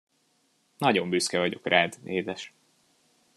Nagyon büszke vagyok rád, édes.